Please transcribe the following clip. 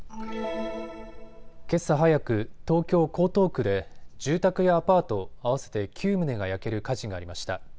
けさ早く、東京江東区で住宅やアパート合わせて９棟が焼ける火事がありました。